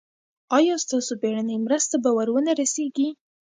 ایا ستاسو بیړنۍ مرسته به ور نه رسیږي؟